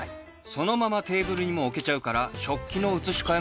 そのままテーブルにも置けちゃうから食器の移し替えも不要！